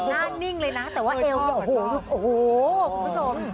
แต่หน้านิ่งเลยนะแต่ว่าเอลโอ้โหคุณผู้ชม